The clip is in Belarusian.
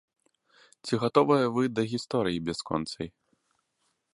Ці гатовыя вы да гісторыі бясконцай?